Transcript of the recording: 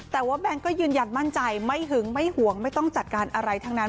แต่ว่าแบงค์ก็ยืนยันมั่นใจไม่หึงไม่ห่วงไม่ต้องจัดการอะไรทั้งนั้น